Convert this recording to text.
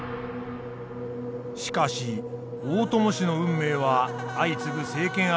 しかし大伴氏の運命は相次ぐ政権争いの中暗転する。